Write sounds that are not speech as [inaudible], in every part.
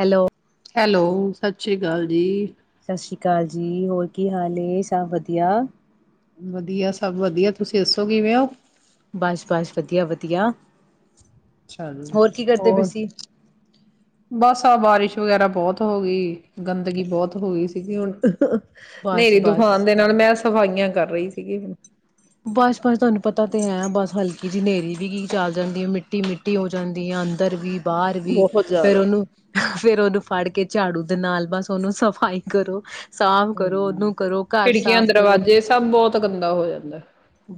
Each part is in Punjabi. ਹੈਲੋ ਹੈਲੋ ਸਤਿ ਸ਼੍ਰੀ ਅਕਾਲ ਜੀ ਸਤਿ ਸ਼੍ਰੀ ਅਕਾਲ ਜੀ, ਹੋਰ ਕੀ ਹਾਲ ਏ ਸਭ ਵਧੀਆ ਵਧੀਆ ਸਭ ਵਧੀਆ ਤੁਸੀਂ ਦੱਸੋ ਕਿਵੇਂ ਹੋ ਬਸ ਬਸ ਵਧੀਆ ਵਧੀਆ ਅੱਛਾ ਜੀ ਹੋਰ ਬਸ ਬਾਰਿਸ਼ ਵਗੈਰਾ ਬਹੁਤ ਹੋ ਗਈ ਗੰਦਗੀ ਬਹੁਤ ਹੋ ਗਈ ਸੀਗੀ ਹੁਣ ਹਨੇਰੀ ਤੁਫਾਨ ਬਸ-ਬਸ। ਦੇ ਨਾਲ ਮੈਂ ਸਫਾਈਆਂ ਕਰ ਰਹੀ ਸੀਗੀ ਹੁਣ ਬਸ ਬਸ ਤੁਹਾਨੂੰ ਪਤਾ ਤਾਂ ਹੈ ਬਸ ਹਲਕੀ ਜਿਹੀ ਹਨ੍ਹੇਰੀ ਵੀ ਕੀ ਚੱਲ ਜਾਂਦੀ ਹੈ ਮਿੱਟੀ ਮਿੱਟੀ ਹੋ ਜਾਂਦੀ ਹੈ ਅੰਦਰ ਵੀ ਬਾਹਰ ਵੀ ਬਹੁਤ ਫੇਰ ਜ਼ਿਆਦਾ ਉਹਨੂੰ ਫੇਰ ਉਹਨੂੰ ਫੜ ਕੇ ਝਾੜੂ ਦੇ ਨਾਲ ਬਸ ਉਹਨੂੰ ਸਫ਼ਾਈ ਕਰੋ ਸਾਫ਼ ਕਰੋ ਹਾਂਜੀ ਉਹਨੂੰ ਕਰੋ ਘਰ ਖਿੜਕੀਆਂ ਸਾਫ਼ ਕਰੋ। ਦਰਵਾਜੇ ਸਭ ਬਹੁਤ ਗੰਦਾ ਹੋ ਜਾਂਦਾ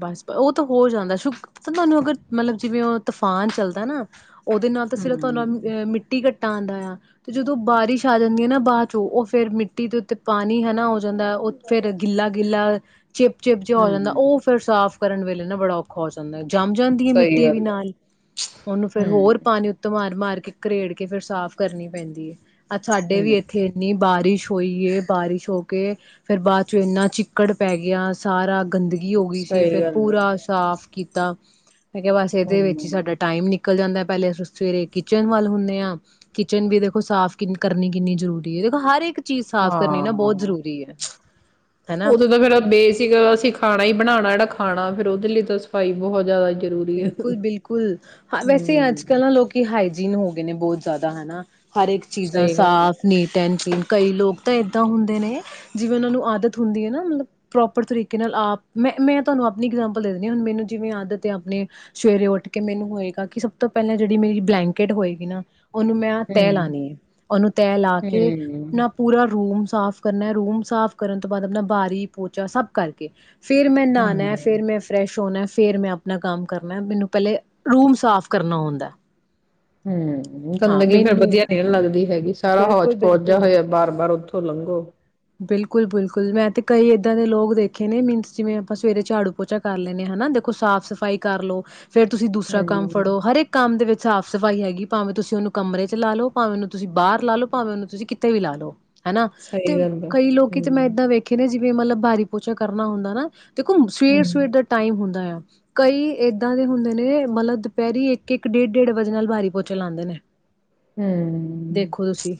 ਬਸ ਉਹ ਤਾਂ ਹੋ ਜਾਂਦਾ ਸ਼ ਤੁਹਾਨੂੰ ਅਗਰ ਮਤਲਬ ਜਿਵੇਂ ਉਹ ਤੂਫਾਨ ਚੱਲਦਾ ਨਾ ਉਹਦੇ ਨਾਲ ਤਾਂ ਸਿਰਫ ਹਮ ਤੁਹਾਨੂੰਹ ਮਿੱਟੀ ਕੱਟ ੱਟਾ ਆਉਂਦਾ ਆ ਤੇ ਜਦੋਂ ਬਾਰਿਸ਼ ਆ ਜਾਂਦੀ ਹੈ ਨਾ ਬਾਅਦ ਚੋਂ ਉਹ ਫੇਿਰ ਮਿੱਟੀ ਦੇ ਉੱਤੇ ਪਾਣੀ ਹਨਾ ਹੋ ਜਾਂਦਾ ਉਹ ਫੇਿਰ ਗਿੱਲਾ ਗਿੱਲਾ ਚਿਪ ਚਿਪ ਜਿਹਾ ਹੋ ਜਾਂਦਾ ਹਮ ਉਹ ਸਾਫ਼ ਕਰਨ ਵੇਲੇ ਨਾ ਬੜਾ ਔਖਾ ਹੋ ਜਾਂਦਾ ਜੰਮ ਜਾਂਦੀ ਹੈ ਸਹੀ ਮਿੱਟੀ ਵੀ ਗੱਲ ਆ ਨਾਲ ਉਹਨੂੰ ਫੇਿਰ ਹਮ ਹੋਰ ਪਾਣੀ ਉੱਤੇ ਮਾਰ ਮਾਰ ਕਰਕੇ ਘਰੇੜ ਕੇ ਫੇਿਰ ਸਾਫ਼ ਕਰਨੀ ਪੈਂਦੀ ਹੈ ਸਾਡੇ ਵੀ ਹਮ ਇੱਥੇ ਇੰਨੀ ਬਾਰਿਸ਼ ਹੋਈਏ ਬਾਰਿਸ਼ ਹੋ ਕੇ ਫੇਿਰ ਬਾਅਦ ਚ ਇੰਨਾ ਚਿੱਕੜ ਪੈ ਗਿਆ ਸਾਰਾ ਗੰਦਗੀ ਸਹੀ ਫਿਰ ਗੱਲ ਆ ਪੂਰਾ ਸਾਫ ਕੀਤਾ ਮੈਂ ਕਿਹਾ ਬਸ ਇਹਦੇ ਵਿੱਚ ਹੀ ਹਮ ਸਾਡਾ ਟਾਈਮ ਨਿਕਲ ਜਾਂਦਾ ਪਹਿਲੇ ਅਸੀਂ ਸਵੇਰੇ ਕਿਚਨ ਵੱਲ ਹੁੰਦੇ ਹਾਂ ਕਿਚਨ ਵੀ ਦੇਖੋ ਸਾਫ਼ ਕਿ ਕਰਨੀ ਕਿੰਨੀ ਜ਼ਰੂਰੀ ਹੈ ਦੇਖੋ ਹਰ ਇੱਕ ਚੀਜ਼ ਸਾਫ਼ ਕਰਨੀ ਨਾ ਬਹੁਤ ਹਾਂ ਜ਼ਰੂਰੀ ਏ। ਹਨਾ ਉਦੋਂ ਤਾਂ ਫੇਿਰ ਬੇਸਿਕ ਅਸੀਂ ਖਾਣਾ ਹੀ ਬਣਾਉਣਾ ਜਿਹੜਾ ਖਾਣਾ ਫੇਿਰ ਉਹਦੇ ਲਈ ਤਾਂ ਸਫ਼ਾਈ ਬਹੁਤ ਜ਼ਿਆਦਾ ਜ਼ਰੂਰੀ ਹੈ। ਬਿਲਕੁਲ ਬਿਲਕੁਲ ਹ ਵੈਸੇ ਅੱਜ ਕੱਲ੍ਹ ਹੂੰ, ਨਾ ਲੋਕੀ ਹਾਈਜੀਨ ਹੋ ਗਏ ਨੇ ਬਹੁਤ ਜ਼ਿਆਦਾ ਹਨਾ ਹਰ ਇੱਕ ਚੀਜ਼ਾਂ ਸਹੀ ਗੱਲ ਆ। ਸਾਫ਼ ਨਤ ਕਈ ਲੋਕ ਤਾਂ ਇਏਦਾਂ ਹੁੰਦੇ ਨੇ ਜਿਵੇਂ ਉਹਨਾਂ ਨੂੰ ਆਦਤ ਹੁੰਦੀ ਹੈ ਨਾ ਮਤਲਬ ਪ੍ਰੋਪਰ ਤਰੀਕੇ ਨਾਲ ਆਪ ਮੈਂ ਮੈਂ ਤੁਹਾਨੂੰ ਆਪਣੀ ਇਗਜਾਮਪਲ ਦੇਿੰਦੀ ਹਾਂ ਹੁਣ ਮੈਨੂੰ ਜਿਵੇਂ ਆਦਤ ਤੇ ਆਪਣੇ ਸਵੇਰੇ ਉੱਠ ਕੇ ਮੈਨੂੰ ਹੋਏਗਾ ਕਿ ਸਭ ਤੋਂ ਪਹਿਲਾਂ ਜਿਹੜੀ ਮੇਰੀ ਬਲੈਂਕਟ ਹੋਏਗੀ ਨਾ ਉਹਨੂੰ ਮੈਂ ਤੈਅ ਹੂੰ, ਲਾਉਂਦੀ ਹ ਉਹਨੂੰ ਤੈਅ ਲਾ ਕੇ ਹੂੰ, ਪੂਰਾ ਰੂਮ ਸਾਫ਼ ਕਰਨਾ ਰੂਮ ਸਾਫ਼ ਕਰਨ ਤੋਂ ਬਾਅਦ ਆਪਣਾ ਬਾਰੀ ਪੋਚਾ ਸਭ ਕਰਕੇ ਫਿਰ ਮੈਂ ਨਹਾਣਾ ਹੂੰ, ਫਿਰ ਮੈਂ ਫਰੈਸ਼ ਹੋਣਾ ਫੇਰ ਮੈਂ ਆਪਾਂ ਆਪਣਾ ਕੰਮ ਕਰਨਾ ਮੈਨੂੰ ਪਹਿਲੇ ਰੂਮ ਸਾਫ਼ ਕਰਨਾ ਹੁੰਦਾ ਹੈ ਹਮ ਗੰਦਗੀ ਫੇਿਰ ਵਧੀਆ ਨ ਲੱਗਦੀ ਹੈਗੀ ਸਾਰਾ ਹੌਜ ਬਿਲਕੁਲ ਪੌਚਿ ਬਿਲਕੁਲ ਹੋਇਆ ਬਾਰ ਬਾਰ ਉ ਸਲੰਗੋ ਬਿਲਕੁਲ ਬਿਲਕੁਲ ਮੈਂ ਤੇ ਕਈ ਏਦਾਂ ਦੇ ਲੋਕ ਦੇਖੇ ਨੇ ਮੀਨਸ ਜਿਵੇਂ ਆਪਾਂ ਸਵੇਰੇ ਝਾੜੂ ਪੋਚਾ ਕਰ ਲੈਂਣੇ ਹਾਂ ਹਨਾ ਦੇਖੋ ਸਾਫ਼ ਸਫ਼ਾਈ ਕਰ ਲੋ ਫੇਰ ਤੁਸੀਂ ਦੂਸਰਾ ਕੰਮ ਹੂੰ। ਫੜੋ ਹਰੇਕ ਕੰਮ ਦੇ ਵਿੱਚ ਸਾਫ਼ ਸਫ਼ਾਈ ਹੈਗੀ ਭਾਵੇਂ ਤੁਸੀਂ ਉਹਨੂੰ ਕਮਰੇ ਚ ਲਾ ਲਓ ਭਵੇਂ ਉਹਨੂੰਸੀਂਾਹਰ ਲਾ ਲਓ ਭਾਵੇਂ ਉਹਨੂੰ ਤੁਸੀਂ ਕਿੱਤੇ ਵੀ ਲਾ ਲ ਲੋ ਹਨਾ ਸਹੀ ਤੇ ਗੱਲ ਆ। ਲੋਕੀ ਹੂੰ, ਮੈਂ ੱਦਾਂ ਵੇਖੇ ਜਿਵੇਂ ਮਤਲਬ ਬਾਰੀ ਪੋਚਾ ਕਰਨਾ ਹੁੰਦਾ ਨਾ ਦੇਖੋ ਸਵੇਰ ਸਵੇਰ ਹੂੰ, ਦਾ ਟਾਈਮ ਹੁੰਦਾ ਆ ਕਈ ਏੱਦਾਂ ਦੇ ਹੁੰਦੇ ਨੇ ਮਤਲਬ ਦੁਪਹਿਰੀ ਇੱਕ ਇੱਕ ਡੇਢ ਡੇਢ ਵਜੇ ਨਾਲ ਬਾਰੀ ਪੋਚੇ ਲਾਉਂਦੇ ਨੇ ਹੂੰ। ਦੇਖੋ ਤੁਸੀਂ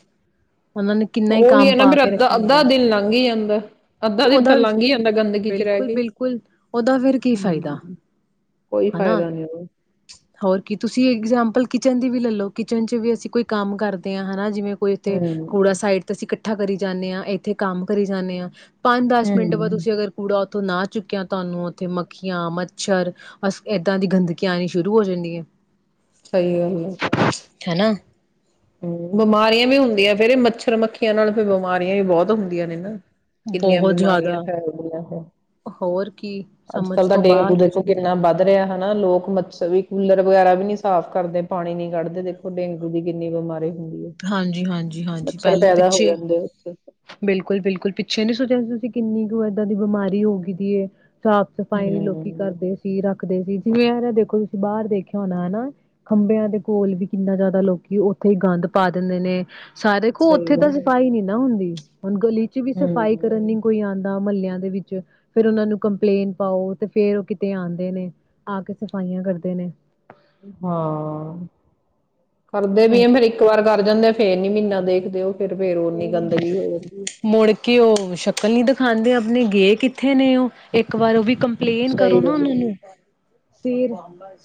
ਉਹਨਾਂ ਨੇ ਕਿੰਨਾ ਹੀ ਉਹੀ ਹੈ ਕੰਮ ਨਾ ਪਾ ਫੇਰ ਕੇ ਰੱਖਿਆ ਅੱਧਾ ਹੁੰਦਾ ਅੱਧਾ ਹੈ, ਦਿਨ ਲੰਘ ਹੀ ਜਾਂਦਾ ਅੱਧਾ ਤੇ ਦਿਨ ਤਾਂ ਉਹਦਾ ਵੀ ਲੰਘ ਹੀ ਜਾਂਦਾ ਗੰਦਗੀ ਚ ਰਹਿ ਕੇ ਬਿਲਕੁਲ-ਬਿਲਕੁਲ ਉਹਦਾ ਫਿਰ ਕੀ ਹਮ ਫ਼ਾਇਦਾ ਕੋਈ ਫਾਇਦਾ ਨੀ ਉਹਦਾ ਕਿ ਤੁਸੀਂ ਇਗਜਾਮਪਲ ਕਿਚਨ ਦੀ ਵੀ ਲੈ ਲਓ ਕਿਚਨ ਚ ਵੀ ਅਸੀਂ ਕੋਈ ਕੰਮ ਕਰਦੇ ਹਾਂ ਹਨਾ ਜਿਵੇਂ ਕੋਈ ਉੱਥੇ ਹੂੰ, ਕੂੜਾ ਸਾਈਡ ਤੇ ਅਸੀਂ ਇਕੱਠਾ ਕਰੀ ਜਾਂਦੇ ਹਾਂ ਇੱਥੇ ਕੰਮ ਕਰੀ ਜਾਂਦੇ ਹਾਂ ਪੰਜ ਦਸ ਮਿੰਟ ਬਾਦ ਹੂੰ। ਤੁਸੀਂ ਅਗਰ ਕੂੜਾ ਤੋਂ ਨਾ ਚੁੱਕਿਆ ਤੁਹਾਨੂੰ ਉੱਥੇ ਮੱਖੀਆਂ ਮੱਛਰ ਅਸ ਏਦਾਂ ਦੀ ਗੰਦਗੀ ਆਉਣੀ ਸ਼ੁਰੂ ਹੋ ਜਾਂਦੀ ਹੈ ਸਹੀ ਗੱਲ ਹਨਾ ਹਮ ਬਿਮਾਰੀਆਂ ਵੀ ਹੁੰਦੀਆਂ ਫੇਰ ਇਹ ਮੱਛਰ ਮੱਖੀਆਂ ਨਾਲ ਫ ਬਿਮਾਰੀਆਂ ਵੀ ਬਹੁਤ ਹੁੰਦੀਆਂ ਨੇ ਨਾ ਕਿੰਨੀਆਂ ਬਹੁਤ ਬਿਮਾਰੀਆਂ ਜ਼ਿਆਦਾ ਫੈਲ ਗਈਆਂ ਹੈ ਹੋਰ ਕੀ ਅੱਜ ਸਮਝ ਕੱਲ ਤਾਂ ਤੋਂ ਡੇਂਗੂ ਬਾਹਰ ਹੋ ਦੇਖੋ ਜਾਂਦਾ। ਕਿੰਨਾ ਵੱਧ ਰਿਹਾ ਹਨਾ ਲੋਕ ਮੱਛਰ ਵੀ ਕੂਲਰ ਵਗੈਰਾ ਵੀ ਨੀ ਸਾਫ਼ ਕਰਦੇ ਪਾਣੀ ਨੀ ਕੱਢਦੇ ਦੇਖੋ ਡੇਂਗੂ ਦੀ ਨ ਹਾਂਜੀ ਹਾਂਜੀ ਹਾਂਜੀ ਪਹਿਲੇ ਪੈਦਾ ਹੋ ਪਿੱਛੇ ਜਾਂਦੇ ਉੱਥੇ ਬਿਲਕੁਲ ਬਿਲਕੁਲ ਪ ਛਨੀ ਸੋਚ ਤੁਸੀਂ ਕਿੰਨੀ ਕੁ ਏਦਾਂ ਦੀ ਬਿਮਾਰੀ ਹੋ ਗਈ ਸਾਫ਼ ਸਫ਼ਾਈ ਨ ਲੋਕੀ ਹਮ ਕਰਦੇ ਸੀ ਰੱਖ ਦੇ ਸੀ ਜਿਵੇਂ ਇਹ ਦੇਖੋ ਤੁਸੀਂ ਬਾਹਰ ਦੇਖਿਆ ਹੋਣਾ ਹਨਾ ਖੰਭਿਆਂ ਦੇ ਕੋਲ ਵੀ ਕਿੰਨਾ ਜ਼ਿਆਦਾ ਲੋਕੀ ਉੱਥੇ ਹੀ ਗੰਦ ਪਾ ਦਿੰਦੇ ਨੇ ਸਾਰੇ ਕੋੋ ਸਹੀ ਉੱਥੇ ਗੱਲ ਤਾਂ ਸਫ਼ਾਈ ਨੀ ਨਾ ਹੁੰਦੀ ਹੁਣ ਗਲੀ ਚ ਵੀ ਹੈ। ਸਫ਼ਾਈ ਕਰਨ ਨੀ ਹਮ ਕੋਈ ਆਉਂਦਾ ਮਹੱਲਿਆਂ ਵਿੱਚ ਫੇਿਰ ਉਹਨਾ ਨੂੰ ਕੰਪਲੇਂਟ ਪਾਓ ਤੇ ਫੇਰ ਉਹ ਕਿਤੇ ਆਉਂਦੇ ਨੇ ਆ ਕੇ ਸਫਾਈਆਂ ਕਰਦੇ ਨੇ ਹਾਂ ਕਰਦੇ ਐ ਵੀ ਆ ਤੇ ਫੇਿਰ ਇੱਕ ਵਾਰ ਕਰ ਜਾਂਦੇ ਫੇਰ ਨੀ ਮਹੀਨਾ ਦੇਖਦੇ ਉਹ ਫਿਰ ਫੇਰ ਓਨੀ ਗੰਦਗੀ ਹੋ ਜਾਂਦੀ ਫਰ ਮੁੜ ਕੇ ਉਹ ਸ਼ਕਲ ਨਹੀਂੀ ਦਿਖਾਉਂਦੇ ਨੇ ਗਏ ਕਿੱਥੇ ਨੇ ਉਹ ਇੱਕ ਵਾਰ ਉਹ ਵੀ ਕੰਪਲੇਨ ਸਹੀ ਕਰੋ ਨਾ ਗੱਲ ਉਹਨਾਂ ਹੈ। ਨੂੰ ਫੇਰ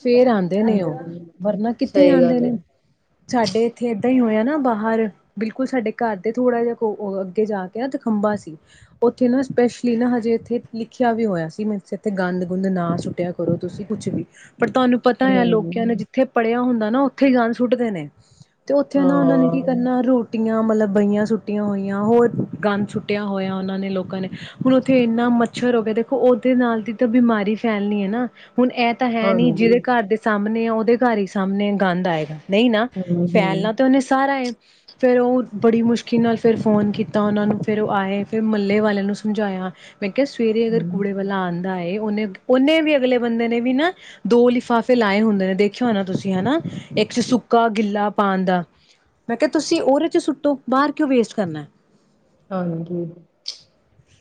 ਫੇਰ ਆਉਂਦੇ ਨੇ ਉਹ ਹਮ ਵਰਨਾ ਕਿਥੇ ਸਹੀ ਆਉਂਦੇ ਗੱਲ ਹੈ। ਨੇ ਸਾਡੇ ਇੱਥੇ ਏਦਾਂ ਹੀ ਹੋਇਆ ਨਾ ਬਾਹਰ ਬਿਲਕੁਲ ਸਾਡੇ ਘਰ ਦੇ ਥੋੜਾ ਜਿਹਾ ਕੋ ਅੱਗੇ ਜਾ ਕੇ ਨਾ ਤ ਖੰਬਾ ਸੀ ਉੱਥੇ ਨਾ ਸਪੈਸ਼ਲੀ ਨਾ ਹਜੇ ਇੱਥੇ ਲਿਖਿਆ ਵੀ ਹੋਇਆ ਸੀ ਮ ਇਥੇ ਗੰਦ ਗੁੰਦ ਨਾ ਸੁੱਟਿਆ ਕਰੋ ਤੁਸੀਂ ਕੁਛ ਵੀ ਪਰ ਤੁਹਾਨੂੰ ਪਤਾ ਆ ਲੋਕਿਆ ਨੇ ਹੂੰ, ਜਿੱਥੇ ਪੜ੍ਹਿਆ ਹੁੰਦਾ ਨਾ ਉੱਥੇ ਹੀ ਗਣ ਸੁੱਟਦੇ ਨੇ ਤੇ ਉੱਥੇ ਨਾ ਉਹਨਾਂ ਨੇ ਕੀ ਹਾਂ, ਕਰਨਾ ਰੋਟੀ ਜ ਮਤਲਬ ਬਹੀਆਂ ਸੁੱਟੀਆਂ ਹੋਈਆਂ ਹੋਰ ਗੰਦ ਸੁੱਟਿਆ ਹੋਇਆ ਉਹਨਾਂ ਨੇ ਲੋਕਾਂ ਨੇ ਹੁਣ ਉੱਥੇ ਇੰਨਾ ਮੱਛਰ ਹੋ ਗਿਆ ਦੇਖੋ ਉਹਦੇ ਨਾਲ ਦੀ ਤਾਂ ਬਿਮਾਰੀ ਫੈਲਣੀ ਹੈ ਨਾ ਹੁਣ ਇਹ ਤਾਂ ਹੈ ਨੀ ਹਾਂਜੀ, ਜਿਹਦੇ ਘਰ ਦੇ ਸਾਹਮਣੇ ਉਹਦੇ ਘਰ ਹੀ ਸਾਹਮਣੇ ਗੰਦ ਆਏਗਾ। ਨਹੀਂ ਨਾ, ਹੂੰ, ਹੂੰ, ਫੈਲਣਾ ਤਾਂ ਉਹਨੇ ਸਾਰਾ ਫੇਰ ਉਹ ਬੜੀ ਮੁਸ਼ਕਿਲ ਨਾਲ ਫਿਰ ਫੋਨ ਕੀਤਾ ਉਹਨਾਂ ਨੂੰ ਫਿਰ ਉਹ ਆਏ ਫਿਰ ਮਹੱਲੇ ਵਾਲਿਆਂ ਨੂੰ ਸਮਝਾਇਆ। ਮੈਂ ਕਿਹਾ ਸਵੇਰੇ ਹੂੰ, ਅਗਰ ਕੂੜੇ ਵਾਲਾ ਆਉਂਦਾ ਏ ਉਹਨੇ ਉਹਨੇ ਵੀ ਅਗਲੇ ਬੰਦੇ ਨੇ ਵੀ ਨਾ ਦੋ ਲਿਫਾਫੇ ਲਾਏ ਹੁੰਦੇ ਨੇ ਦੇਖਿਓ ਹਨ ਨਾ ਤੁਸੀਂ ਹਨਾ। ਇੱਕ ਚ ਸੁੱਕਾ ਗਿੱਲਾ ਪਾਉਣ ਦਾ ਮੈਂ ਕਿਹਾ ਤੁਸੀਂ ਉਹਦੇ ਚ ਸੁ ਤ ਬਾਹਰ ਕਿਉਂ ਵੇਸਟ ਕਰਨਾ। ਹਾਂ, ਜੀ।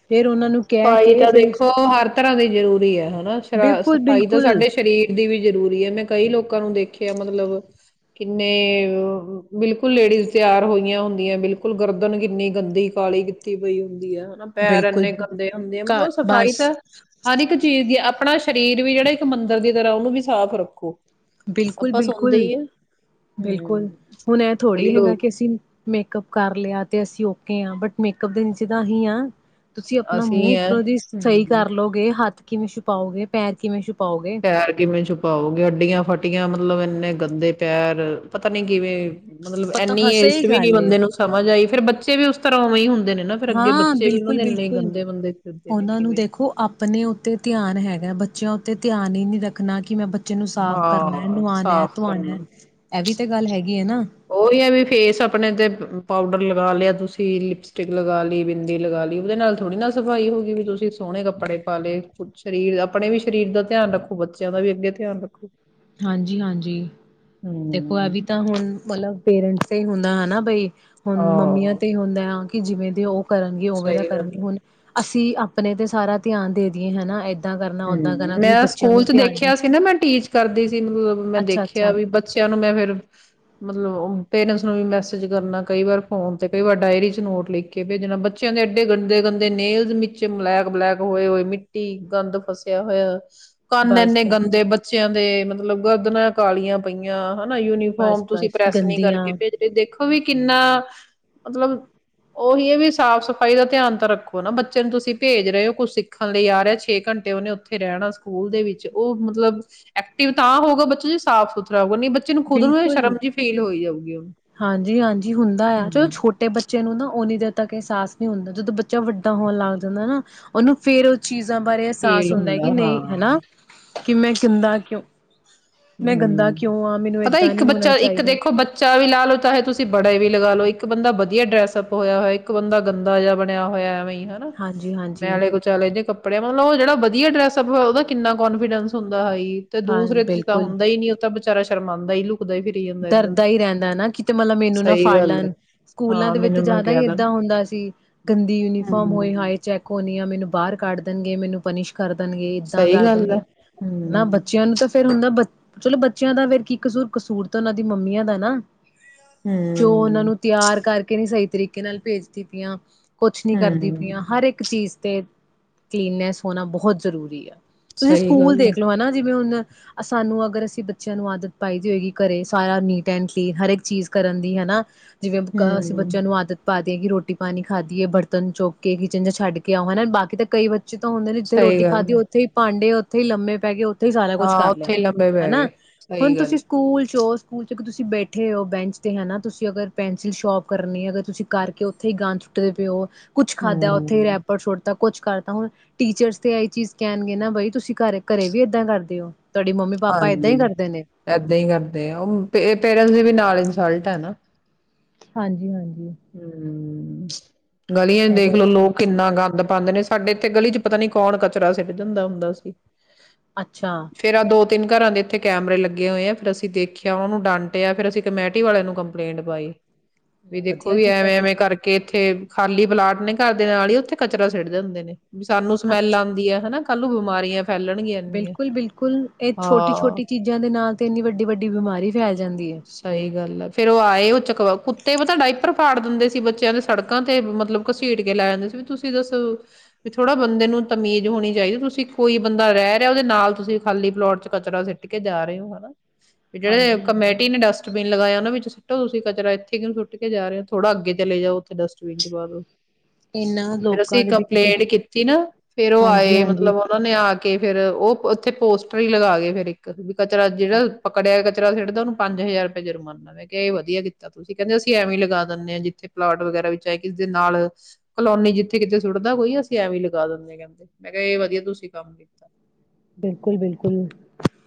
ਫੇਰ ਉਹਨਾਂ ਨੂੰ ਕਹਿ ਸਫ਼ਾਈ ਕੇ ਤਾਂ ਫਿਰ ਦੇਖੋ ਹਰ ਤਰ੍ਹਾਂ ਦੀ ਜ਼ਰੂਰੀ ਹੈ ਹਨਾ। ਸ- ਬਿਲਕੁਲ ਸਫ਼ਾਈ ਤਾਂ ਬਿਲਕੁਲ ਸਾਡੇ ਸਰੀਰ ਦੀ ਵੀ ਜਰੂਰੀ ਹੈ ਮੈਂ ਕਈ ਲੋਕਾਂ ਨੂੰ ਦੇਖਿਆ ਮਤਲਬ। ਕਿੰਨੇ, ਬਿਲਕੁਲ ਲੇਡੀਜ਼ ਤਿਆਰ ਹੋਈਆਂ ਹੁੰਦੀਆਂ ਬਿਲਕੁਲ ਗਰਦਨ ਕਿੰਨੀ ਗੰਦੀ ਕਾਲੀ ਕੀਤੀ ਪਈ ਹੁੰਦੀ। ਹਨਾ। ਪੈਰ ਬਿਲਕੁਲ ਅੰਨੇ ਹੁੰਦੇ ਆ ਘ ਮਤ ਸਫਾਈ ਬਸ ਤਾਂ ਹਰ ਇੱਕ ਚੀਜ਼ ਦੀ ਆਪਣਾ ਸਰੀਰ ਵੀ ਜਿਹੜਾ ਇੱਕ ਮੰਦਿਰ ਦੀ ਤਰ੍ਹਾਂ ਉਹਨੂੰ ਵੀ ਸਾਫ਼ ਰੱਖੋ। ਬਿਲਕੁਲ ਆਪਾਂ -ਬਿਲਕੁਲ ਸੁਣਦੇ ਹੀ ਆ ਹੂੰ -ਬਿਲਕੁਲ ਹੁਣ ਇਹ ਕਈ ਥੋੜ੍ਹੀ ਲੋਕ ਹੈਗਾ ਕਿ ਅਸੀਂ, ਮੇਕਅਪ ਕਰ ਲਿਆ ਤੇ ਅਸੀਂ ਬਟ ਮੇਕਅਪ ਦੇ ਵਿੱਚ ਤਾਂ ਅਸੀਂ ਆ। ਤੁਸੀਂ ਆਪਣਾ ਅਸੀਂ ਮੂੰਹ ਹੈ ਉੱਪਰੋਂ ਦੀ ਸਹੀ ਹਮ ਕਰ ਲਓਗੇ ਹੱਥ ਕਿਵੇਂ ਛਪਪਾਓਗੇ ਪੈਰ ਕਿਵੇਂ ਛੁਪਾਓਗੇ ਪੈਰ ਕਿਵੇਂ ਛੁਪਾਓਗੇ ਅੱਡੀਆਂ ਫਟ ਟੀਆਂ ਮਤਲਬ ਇੰਨੇ ਗੰਦੇ ਪੈਰ ਪਤਾ ਨੀ ਕਿਵੇਂ ਮਤਲਬ ਪਤਾ ਐਨੀ ਹਾਂ ਏਜ ਸਹੀ ਚ ਵੀ ਨੀ ਗੱਲ ਏ ਬੰਦੇ ਨੂੰ ਸਮਝ ਆਈ ਫੇਰ ਬੱਚੇ ਵੀ ਉਸ ਪਰਵਮੁੰ ਹੁੰਨ। ਹਾਂ। ਬਿਲਕੁਲ -ਬਿਲਕੁਲ ਬੰਦੇ ਫਿਰਦੇ ਨੇ ਉਹਨਾਂ ਨੂੰ ਕਿਵੇਂ ਦੇਖੋ ਆਪਣੇ ਉੱਤੇ ਧਿਆਨ ਹੈਗਾ ਬੱਚਿਆਂ ਉੱ ਤੇ ਧਿਆਨ ਹੀ ਨੀ ਰੱਖਣਾ ਕਿ ਮੈਂ ਬੱਚੇ ਨੂੰ ਸਾਫ਼ ਕਰਨਾ ਹਾਂ ਨੁਆਉਣਾ ਸਾਫ਼ ਧਆਣਾ ਇਹ ਵੀ ਤੇ ਗੱਲ ਹੈਗੀ ਹੈ ਨਾ ਉਓਹੀ ਹੈ ਵੀ ਫੇਸ ਆਪਣੇ ਤੇ ਪਾਊਡਰ ਲਗਾ ਲਿਆ ਤੁਸੀਂ ਲਿਪਸਟਿਕ ਲਗਾ ਲਈ ਬਿੰਦੀ ਲਗਾ ਲਈ ਉਹਦੇ ਨਾਲ ਥੋੜ੍ਹੀ ਨਾ ਸਫ਼ਾਈ ਹੋ ਗਈ ਵੀ ਤੁਸੀਂ ਸੋਹਣੇ ਕੱਪੜੇ ਪਾ ਲਏ। ਸਰੀਰ ਆਪਣੇ ਵੀ ਸਰੀਰ ਦਾ ਧਿਆਨ ਰੱਖੋ ਬੱਚਿਆਂ ਦਾ ਵੀ ਅੱਗੇ ਧਿਆਨ ਰੱਖੋ। ਹਾਂਜੀ -ਹਾਂਜੀ। ਦੇਖੋ ਇਹ ਹਮ ਵੀ ਤਾਂ ਹੁਣ ਮਤਲਬ ਪੇਰੈਂਟਸ ਤੇ ਹੁੰਦਾ ਹਨਾ ਬਈ। ਹੁਣ ਮੰਮੀਆਂ ਆਹ ਤੇ ਹੁੰਦਾ ਆ। ਕਿ ਜਿਵੇਂ ਦੇ ਉਹ ਕਰਨਗੇ ਉਵੇ ਤਾਂ ਸਹੀ ਗੱਲ ਕਰਨਗੇ ਹੈ। ਹੁਣ ਅਸੀਂ ਆਪਣੇ ਤੇ ਸਾਰਾ ਧਿਆਨ ਦੇ ਦੀਈਏ ਹਨਾ। ਕਰਨਾ ਓਦਾਂ ਹਮ, ਕਰਨਾ ਤੁਸੀਂ ਮੈਂ ਬੱਚਿਆਂ ਸਕੂਲ ਨੂੰ ਚ ਧਿਆਨ ਨੀ ਦੇਖਿਆ ਸੀ ਨਾ ਮੈਂ ਟੀਚ ਕਰਦੀ ਸੀ ਮੈਂ ਅੱਛਾ ਦੇਖਿਆ ਅੱਛਾ ਵੀ ਬੱਚਿਆਂ ਨੂੰ ਮੈਂ ਫੇਰ ਮਤਲਬ ਪੇਰੈਂਟਸ ਨੂੰ ਵੀ ਮੈਸੇਜ ਕਰਨਾ ਕਈ ਵਾਰ ਫੋਨ 'ਤੇ ਕਈ ਵਾਰ ਡਾਇਰੀ 'ਚ ਨੋਟ ਲਿਖ ਕੇ ਭੇਜਣਾ ਬੱਚਿਆਂ ਦੇ ਐਡੇ ਗੰਦੇ ਗੰਦੇ ਨੇਲਜ਼ ਮੱਚੇ ਬਲੈਕ ਬਲੈਕ ਹੋਏ ਹੋਏ ਮਿੱਟੀ ਗੰਦ ਫਸਿਆ ਹੋਇਆ ਕੰਨ ਬਸ ਇੰਨੇ ਬਸ ਗੰਦੇ ਬੱਚੇ ਬੱਚਿਆਂ ਦੇ ਮਤਲਬ ਗਰਦਨਾ ਕਾਲੀਆਂ ਪਈਆਂ ਹਨਾ ਯੂਨੀਫੋਮ ਬਸ ਤੁਸੀਂ ਬਸ ਪ੍ਰੈਸ ਨਹੀਂੀ ਗੰਦੀਆਂ ਕਰਕੇ ਭੇਜ ਰਹੇ ਦੇਖੋ ਵੀ ਕਿੰਨਾ ਮਤਲਬ ਉਹੀ ਹੈ ਵੀ ਸਾਫ਼ ਸਫ਼ਾਈ ਦਾ ਧਿਆਨ ਤਾਂ ਰੱਖੋ ਨਾ ਬੱਚੇ ਨੂੰ ਤੁਸੀਂ ਭੇਜ ਰਹੇ ਹੋ ਕੁੱਛ ਸਿੱਖਣ ਲਈ ਆ ਰਿਹਾ ਛੇ ਘੰਟੇ ਤੇ ਉਹਨੇ ਉੱਥੇ ਰਹਿਣਾ ਸਕੂਲ ਦੇ ਵਿੱਚ ਉਹ ਮਤਲਬ ਐਕਟਿਵ ਤਾਂ ਹੋਊ ਬੱਚੋ ਜੀ ਸਾਫ਼ ਸੁਥਰਾ ਹੋਊਗਾ ਨਹੀਂ ਬੱਚੇ ਨੂੰ ਖੁਦ ਨੂੰ ਇਹ ਬਿਲਕੁਲ ਸ਼ਰਮ ਜਿਹੀ ਫੀਲ ਹੋਈ ਜਾਊਗੀ ਉਹਨੂੰ ਹਾਂਜੀ ਹਾਂਜੀ ਹੁੰਦਾ ਆ ਚਲੋ ਹਮ ਛੋਟੇ ਬੱਚੇ ਨੂੰ ਨਾ ਉਹਓਨੀ ਦੇ ਤ ਅਹਿਸਾਸ ਨਹੀਂ ਹੁੰਦਾ ਜਦੋਂ ਬੱਚਾ ਵੱਡਾ ਹੋਣ ਲੱਗ ਜਾਂਦਾ ਨਾ ਉਹਨੂੰ ਫੇਰ ਉਹ ਚੀਜ਼ ਾਂ ਬਾਰੇ ਅਹਿਸਾਸ ਫੀਲ ਹੁੰਦਾ ਕਿ ਨਹੀਂ ਹਾਂ ਹਨਾ ਕਿ ਮੈਂ ਕਿਹਿੰਦਾ ਕਿਉਂ ਮੈਂ ਗੰਦਾ ਹਮ ਕਿਉਂ ਆ ਪਤਾ ਏਦਾਂ ਇੱਕ ਨਹੀਂ ਹੋਣਾ ਬੱਚਾ ਇੱਕ ਚਾਹੀਦਾ ਦੇਖੋ ਬੱਚਾ ਵੀ ਲਾ ਲਓ ਚਾਹੇ ਤੁਸੀਂ ਬੜੇ ਵੀ ਲਗਾ ਲਓ ਇੱਕ ਬੰਦਾ ਵਧੀਆ ਡਰੈਸਅਪ ਹੋਇਆ ਹੋਇਆ ਇੱਕ ਬੰਦਾ ਗੰਦਾ ਜਿਹਾ ਬਣਿਆ ਹੋਇਆ ਹਨਾ ਹਾਂਜੀ ਹਾਂਜੀ ਮੈਂਲੇ ਕੋ ਚਲੇਦੇ ਕੱਪੇ ਕਪੜਿਆ ਮਤਲਬ ਜਿਹੜਾ ਵਧੀਆ ਡੈਸਅਪਇ ਉਹਦਾੰਨਾ ਕਨਫੀਡੈਂਸੁੰਦਾ ਹੈ ਹੀ ਤੇ ਹਾਂ ਦੂਸਰੇ ਤਾਂ ਬਿਲਕੁਲ ਹੁੰਦਾ ਹੀ ਨੀ ਤਾਂ ਬ ਵਿਚਾਰਾ ਸ਼ਰਮਾਉਂਦਾ ਹੀ ਲੋਕੂ ਡਰਦਾ ਹੀ ਰਹਿੰਦਾ ਨਾ ਕਿਤੇ ਮਤਲਬ ਮੈਨੂੰ ਨਾ ਸਹੀ ਫੜ ਗੱਲ ਲੈਣ ਹੈ ਸਕੂਲਾਂ ਹਾਂ ਦੇ ਵਿੱਚ ਮੈਨੂੰ ਨਾ ਜ਼ਿਆਦਾ ਹੀ ਕਹਿ ਦੇਣ ਏਦਾਂ ਹੁੰਦਾ ਸੀ ਗੰਦੀ ਯੂਨੀਫਾਰਮ ਹੋਏ ਹਮ ਹਾਏ ਚੈੱਕ ਹੋਣੀ ਆ ਮੈਨੂੰ ਬਾਹਰ ਕੱਢ ਦੇਣਗੇ ਮੈਨੂੰ ਪਨੀਿਸ਼ ਕਰ ਦੇਣਗੇ ਇੱਦਾਂ ਸਹੀ ਕਰ ਗੱਲ ਹੈ ਦੇਣਗੇ ਹਨਾ ਹਮ ਬੱਚਿਆਂ ਨੂੰ ਤਾਂ ਫੇਰ ਹੁੰਦਾ ਬ ਚਲੋ ਬੱਚਿਆਂ ਦਾ ਫੇ ਕੀ ਕਸੂਰ ਕਸੂਰ ਉਹਨਾਂ ਦੀ ਮੰਮੀਆਂ ਦਾ ਨਾ ਜੋ ਉਹਨਾ ਹਮ ਨੂੰ ਤਿਆਰ ਕਰਕੇ ਨਹੀਂੀ ਸਹੀ ਤਰੀਕੇ ਨਾਲ ਭੇਜਤੀਤੀਆਂ ਕੁਛ ਨੀ ਕਰਦੀ ਪਈਆਂ ਹਮ ਹਰ ਇੱਕ ਚੀਜ਼ ਤੇ ਕਲੀਨਨੈਸ ਹੋਣਾ ਬਹੁਤ ਜ਼ਰੂਰੀ ਆ ਤੁਸੀਂ ਸਹੀ ਸਕੂਲ ਗੱਲ ਹੈ ਦੇਖਲੋ ਹਨਾ ਜਿਵੇਂ ਹੁਣ ਸਾਨੂੰ ਅਗਰ ਅਸੀਂ ਬੱਚਿਆਂ ਨੂੰ ਆਦਤ ਪਾਈ ਦੀ ਹੋਏਗੀ ਕਰੇ ਸਾਰਾ ਨੀਟ ਐਂਡਲੀ ਹਰ ਇੱਕ ਚੀਜ਼ ਕਰਨ ਦੀ ਹਨਾ ਜਿਵੇਂ ਅਸੀਂ ਹਮ ਬੱਚਿਆਂ ਨੂੰ ਆਦਤ ਪਾ ਕਿ ਰੋਟੀ ਪਾਣੀ ਖਾਧੀਏ ਬਰਤਨ ਚੁੱਕ ਕੇ ਕਿਚਨ ਚ ਛੱਡ ਕੇ ਆਉਓ ਹਨਾ ਬਾਕੀ ਤਾਂ ਕਈ ਵ ਹਦੇ ਨੇ ਜਿੱਥੇ ਸਹੀ ਰੋਟੀ ਗੱਲ ਹੈ ਖਾਧੀ ਉਥੇ ਭਾਂਡੇ ਉੱੇ ਲੰੇ ਪੈ ਗ ਸਾਰਾ ਕੁਛ ਹਾਂ ਕਰ ਲਿਆ ਉੱਥੇ ਹੀ ਲੰਬੇ ਪੈ ਹਨਾ ਗਏ ਹੁਣ ਸਹੀ ਗੱਲ ਤੁਸੀਂ ਸਕੂਲ ਸ਼ੋ ਸਕੂਲ ਚ ਤੁਸੀਂ ਬੈਠੇ ਹੋ ਬੈਂਚ ਤੇ ਹੈਾ ਤੁਸੀਂ ਅਗਰ ਪੈਨਸਿਲ ਸ਼ੋਪ ਕਰਨੀ ਅਗਰ ਤੁਸੀਂ ਕਰਕੇ ਉੱਥੇ ਹੀ ਗਾ ਸੁੱਟਦੇ ਪਏ ਹੋ ਕੁਛ ਖਾਧਾ ਉੱਥੇ ਹਮ ਰਹਿਪਰ ਛੋੜ ਤ ਕੁਛ ਕਰਤਾ ਹੁਣ ਟੀਚਰਸ ਤੇ ਇਹੀ ਚੀਜ਼ ਕਹਿਣਗੇ ਨਾ ਬਾਈ ਤੁਸੀਂ ਘਰੇ ਘਰੇ ਵੀ ਏਦਾਂ ਕਰਦੇ ਹੋ ਤੁਹਾਡੀ ਮੰਮੀ ਪਾਪਾ ਏਦਾਂ ਹਾਂਜੀ ਹੀ ਕਰਦੇ ਨੇ ਏਦਾਂ ਹੀ ਕਰਦੇ ਪੇਰੈਂਟਸ ਦੇ ਵੀ ਨਾਲ ਇਨਸਲਟ ਨਾ ਹਾਂਜੀ ਹਾਂਜੀ ਹਮ ਹਮ ਗਲੀਆਂ ਚ ਇਹ ਦੇਖਲੋ ਵੀ ਲੋਕ ਕਿੰਨਾ ਗੰਦ ਪਾਉਂਦੇ ਨੇ ਸਾਡੇ ਇੱਥੇ ਗਲੀ ਚ ਪਤਾ ਨੀ ਕੌਣ ਕਚਰਾ ਸਿਿਰ ਜਾਂਦਾ ਹੁੰਦਾ ਸੀ ਅੱਛਾ ਫੇਰ ਆਹ ਦੋ ਤਿੰਨ ਘਰਾਂ ਦੇ ਇੱਥੇ ਕੈਮਰੇ ਲੱਗੇ ਹੋਏ ਆ ਫਿਰ ਅਸੀਂ ਦੇਖਿਆ ਉਹਨੂੰ ਡਾਂਟਿਆ ਫਿਰ ਅਸੀਂ ਕਮੇਟੀ ਵਾਲੇ ਨੂੰ ਕੰਪਲੇਂਟ ਪਾਈ ਵੀ ਦੇਖੋ ਉਹ ਵਧੀਆ ਵੀ ਕੀਤਾ ਐਵੇਂ ਐਵੇਂ ਕਰਕੇ ਕੇ ਇੱਥੇ ਖਾਲੀ ਪਲਾਟ ਨੇ ਘਰ ਦੇ ਨਾਲ ਹੀ ਉੱਥੇ ਕਚਰਾ ਸੇੜਦੇ ਹੁੰਦੇ ਨੇ ਵੀ ਸਾਨੂੰ ਸਮੈਲ ਅੱਛ ਆਉਂਦੀ ਹੈ ਹਨਾ ਸੱਲ ਬਿਮਾਰੀਆਂ ਫੈਲਣਗੀਆਂ ਇੰਨੀਆਂ ਬਿਲਕੁਲ ਬਿਲਕੁਲ ਇਹ ਛੋਟੀ ਹਾਂ ਛੋਟੀ ਚੀਜ਼ਾਂ ਦੇ ਨਾਲ ਤੇ ਇੰਨੀ ਵੱਡੀ ਵੱਡੀ ਬਿਮਾਰੀ ਫੈਲ ਜਾਂਦੀ ਹੈ ਸਹੀ ਗੱਲ ਫੇਰ ਉਹ ਆਏ ਉਹ ਚਕ ਕੁੱਤੇ ਪਤਾ ਡਾਈਪਰ ਫਾੜ ਦਿੰਦੇ ਸੀ ਬੱਚਿਆਂ ਦੇ ਸੜਕਾਂ ਤੇ ਮਤਲਬ ਘਸੀਟ ਕੇ ਲੈ ਜਾਂਦੇ ਸੀ ਵੀ ਤੁਸੀਂ ਦੱਸੋ ਵੀ ਥੋੜਾ ਬੰਦੇ ਨੂੰ ਤਮੀਜ਼ ਹੋਣੀ ਚਾਹੀਦੀ ਤੁਸੀਂ ਕੋਈ ਬੰਦਾ ਰਹਿ ਰਿਹਾ ਉਹਦੇ ਨਾਲ ਤੁਸੀਂ ਖਾਲੀ ਪਲੋਟ ਚ ਕਚਰਾ ਸਿੱਟ ਕੇ ਜਾ ਰਹੇ ਹੋ ਹਨਾ ਹਾਂਜੀ ਹਾਂਜੀ ਡਸਟਬਿ ਲਗਾਇਆ ਉਹਨਾਂ ਵਿੱਚ ਸੁੱਟ ਤੁਸੀਂਚਰਾ ਇੱਥੇ ਕਿਉਂ ਸੁੱਟ ਕੇ ਜਾ ਰਹੇ ਹੋ ਥੋੜ੍ਹਾ ਅੱਗੇ ਚਲੇ ਜਾਓ ਡਸਟਬਿਨ ਚ ਪਾਦੋ ਇਹਨਾਂ ਫਿਰ ਲੋਕਾਂ ਅਸੀਂ ਦੇ ਵਿੱਚ ਵੀ, ਕੰਪਲੇਂਟ ਕੀਤੀ ਨਾ ਫੇਰ ਉਹ ਹਾਂਜੀ ਆਏ ਹਾਂਜੀ ਮਤਲਬ ਉਹਨਾ ਨੇ ਆ ਕੇ ਕੇ ਫੇਿਰ ਉਹ ਉੱਥੇ ਪੋਸਟਰ ਹੀ ਲਗਾ ਕੇ ਫੇਿਰ ਇੱਕ ਕਚਰਾ ਜਿਹੜਾ ਪਕੜਿਆ ਤ ਖੇਡਦਾ ਉਹ ਨੂੰ ਪੰਜ ਹਜ਼ਾਰ ਰੁਪਏ ਜੁਰਮਾਨਾ ਮੈਂ ਕਿਹਾ ਇਹ ਵਧੀਆ ਕੀਤਾ ਤੁਸੀਂ ਕਹਿੰਦੇ ਅਸੀਂ ਐਵੇਂ ਲਗਾ ਦਿੰਦੇ ਆਾਂ ਜਿੱਥੇ ਪਲਾਟ ਵਗੈਰਾ ਵਿਚਾਹੇ ਕਿਸ ਦੇ ਨਾਲ ਕਲੋਨੀ ਜਿੱਥੇ ਕਿਤੇ ਸੁੱਟਦਾ ਕੋਈ ਅਸੀਂ ਐਵੇਂ ਲਗਾ ਦਿੰਦੇ ਆ ਕਹਿੰਦੇ ਮੈਂ ਕਿਹਾ ਇਹ ਵਧੀਆ ਤੁਸੀਂ ਕੰਮ ਕੀਤਾ ਬਿਲਕੁਲ ਬਿਲਕੁਲ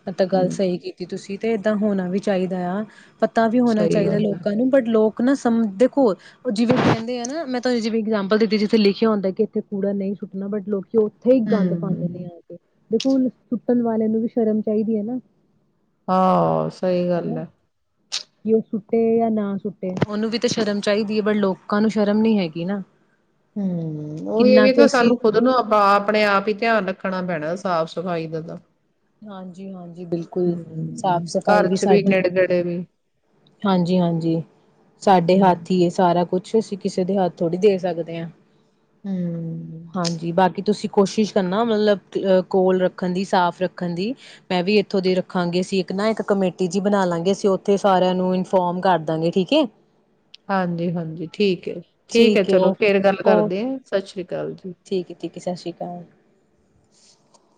ਮ ਤਾਂ ਗੱਲ ਹਮ ਸਹੀ ਕੀਤੀ ਤੁਸੀਂ ਤੇ ਏਦਾਂ ਹੋਣਾ ਵੀ ਚਾਹੀਦਾ ਆ ਪਤਾ ਵੀ ਹੋਣਾ ਸਹੀ ਚਾਹੀਦਾ ਗੱਲ ਹੈ ਲੋਕਾਂ ਨੂੰ ਬਟ ਲੋਕ ਨਾ ਸਮਝ ਦੇਖੋ ਜਿਵੇਂ ਕਹਿੰਦੇ ਆ ਨਾ ਮੈਂ ਤੁਹਾਨੂੰ ਜਿਵੇਂ ਇਗਜ਼ਾਮਪਲ ਦਿੱਤੀ ਜਿੱਥੇ ਲਿਖਿਆ ਹੁੰਦਾ ਕਿ ਇੱਥੇ ਕੂੜਾ ਨਹੀਂ ਸੁੱਟਣਾ ਬਟ ਚੌਥੇ ਹੀ ਗੰਦ ਹਮ ਪਾਉਂਦੇ ਹਗੇ ਦੇਖੋੁਣ ਸੁੱਟਣ ਵਾਲਿਆਂ ਨੂੰ ਵੀ ਸ਼ਰਮ ਚਾਹੀਦੀ ਹੈ ਨਾ ਹਾਂ ਸਹੀ ਗੱਲ ਹਨਾ ਹੈ ਕਿ ਉਹ ਸੁੱਟੇ ਜਾਂ ਨਾ ਸੁੱਟੇ ਉਹਨੂੰ ਵੀ ਤਾਂ ਸ਼ਰਮ ਚਾਹੀਦੀ ਹੈ ਬ ਲੋਕਾਂ ਨੂੰ ਸ਼ਰਮ ਨੀ ਹੈਗੀ ਨਾ ਹਮ ਉਹ ਇਹ ਕਿੰਨਾ ਵੀ ਕੁ ਤਾਂ ਅਸੀਂ ਸਾਨੂੰ ਖੁਦ ਨੂੰ ਆਪ ਆਪਣੇ ਆਪ ਹੀ ਧਿਆਨ ਰੱਖ ਰੱਖਣਾ ਪੈਣਾ ਸਾਫ਼ ਸਫ਼ਾਈ ਦਾ ਹਾਂਜੀ ਹਾਂਜੀ ਬਿਲਕੁਲ ਹਮ ਸਾਫ਼ ਘਰ ਚ ਵੀ ਨੇੜ ਗੜੇ ਵੀ ਹਾਂਜੀ ਹਾਂਜੀ ਸਾਡੇ ਹੱਥ ਹੂੰ-ਹੂੰ। ਹੀਏ ਸਾਰਾ ਕੁਛ ੱ ਅਸੀਂ ਕਿਸੇ ਦੇ ਹੱਥ ਥੋੜ੍ਹੀ ਦੇ ਸਕਦੇ ਹਾਂ ਹਾਂਜੀ ਬਾਕੀ ਤੁਸੀਂ ਕੋਸ਼ਿਸ਼ ਕਰਨਾ ਮਤਲਬ ਅ ਕੋਲ ਰੱਖਣ ਦੀ ਸਾਫ਼ ਰੱਖਣ ਦੀ ਮੈਂ ਵੀ ਇੱਥੋਂ ਦੀ ਰੱਖਾਂਗੇ ਅ ਇੱਕ ਨਾ ਇੱਕ ਕਮੇਟੀ ਜੀ ਬਣਾ ਲਾਂਗੇ ਅਸੀਂ ਉੱਥੇ ਸਾਰਿਆਂ ਨੂੰ ਨੂੰ ਇਨਫੋਰਮ ਕਰਦਾਂਗੇ ਠੀਕ ਹੈ ਹਾਂਜੀ ਹਾਂਜੀ ਠੀਕ ਹੈ ਠੀਕ ਹੈ ਏ ਚਲੋ ਓ ਫੇਰ ਗੱਲ ਓ ਕਰਦੇ ਹ ਸਤਿ ਸ੍ਰੀ ਅਕਾਲ ਜੀ ਜਾ [inaudible]